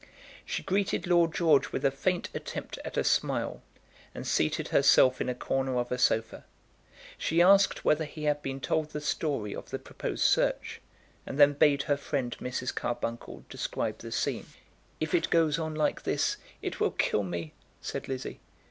She greeted Lord George with a faint attempt at a smile, and seated herself in a corner of a sofa. She asked whether he had been told the story of the proposed search, and then bade her friend Mrs. Carbuncle describe the scene. "If it goes on like this it will kill me," said Lizzie.